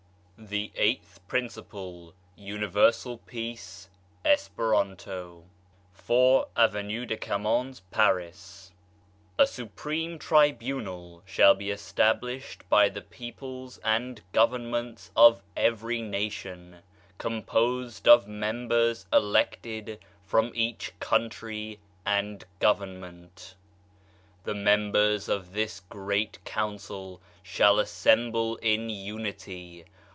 THE EIGHTH PRINCIPLE. UNIVERSAL PEACE ESPERANTO 4, Avenue de Camoens, Paris. A SUPREME Tribunal shall be established by the *^ peoples and Governments of every nation, com posed of members elected from each Country and Government. The members of this Great Council shall assemble in Unity.